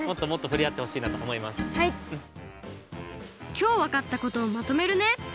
きょうわかったことをまとめるね。